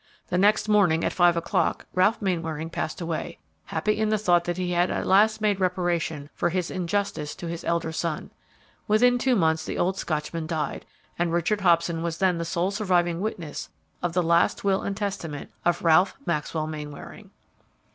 The next morning, at five o'clock, Ralph Mainwaring passed away, happy in the thought that he had at last made reparation for his injustice to his elder son. Within two months the old Scotchman died, and Richard Hobson was then the sole surviving witness of the last will and testament of Ralph Maxwell Mainwaring.